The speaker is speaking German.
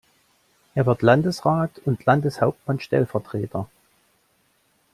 Er wird Landesrat und Landeshauptmannstellvertreter.